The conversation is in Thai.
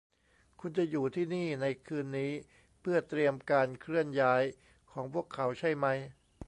คุณจะอยู่ที่นี่ในคืนนี้เพื่อเตรียมการเคลื่อนย้ายของพวกเขาใช่มั้ย